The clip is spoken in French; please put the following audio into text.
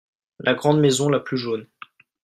La grande maison la plus jaune.